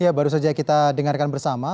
ya baru saja kita dengarkan bersama